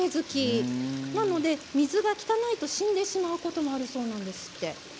ですので水が汚いと死んでしまうこともあるそうなんです。